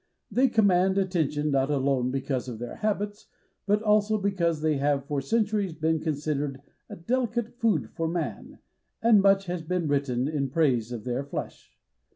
They command attention not alone because of their habits, but also because they have for centuries been considered a delicate food for man, and much has been written in praise of their flesh.